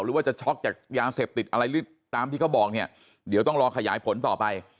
หรือว่าจะช็อกจากยาเสพติดอะไรหรือตามที่เขาบอกเนี่ยเดี๋ยวต้องรอขยายผลต่อไป